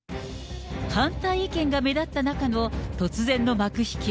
反対意見が目立った中の突然の幕引き。